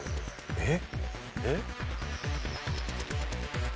えっ！？